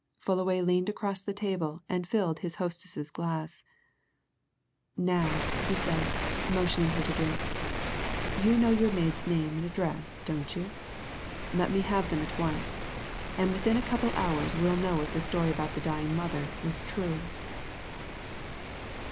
Fullaway leaned across the table and filled his hostess's glass. "Now," he said, motioning her to drink, "you know your maid's name and address, don't you? Let me have them at once, and within a couple of hours we'll know if the story about the dying mother was true."